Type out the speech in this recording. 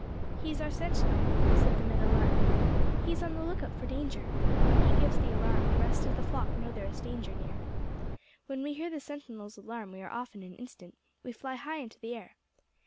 "He is our sentinel," said the meadow lark. "He is on the lookout for danger. When he gives the alarm, the rest of the flock know there is danger near. "When we hear the sentinel's alarm we are off in an instant. We fly high into the air.